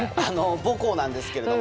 母校なんですけど。